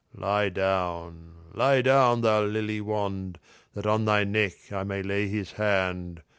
Lie down, lie down, thou lily wand That on thy neck I may lay his hand.